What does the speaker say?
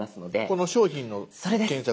この「商品を検索」。